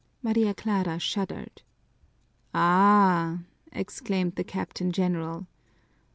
Maria Clara shuddered. "Ah!" exclaimed the Captain General.